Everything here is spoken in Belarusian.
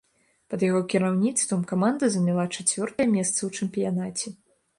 Пад яго кіраўніцтвам каманда заняла чацвёртае месца ў чэмпіянаце.